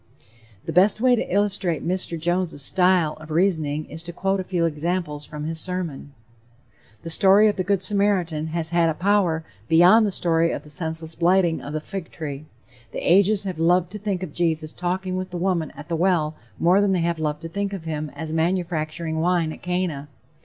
The best way to illustrate Mr. Jones' style of reasoning is to quote a few examples from his sermon: "The story of the Good Samaritan has had a power beyond the story of the senseless blighting of the fig tree; the ages have loved to think of Jesus talking with the woman at the well more than they have loved to think of him as manufacturing wine at Cana.